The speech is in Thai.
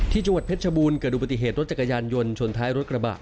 จังหวัดเพชรชบูรณ์เกิดดูปฏิเหตุรถจักรยานยนต์ชนท้ายรถกระบะ